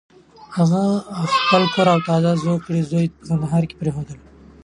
هغه خپل کور او تازه زوکړی زوی په کندهار کې پرېښودل.